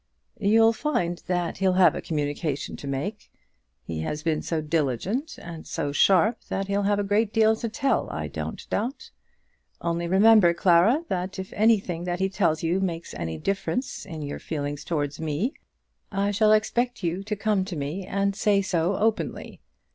"You'll find that he'll have a communication to make. He has been so diligent and so sharp that he'll have a great deal to tell, I do not doubt. Only, remember, Clara, that if anything that he tells you makes any difference in your feelings towards me, I shall expect you to come to me and say so openly.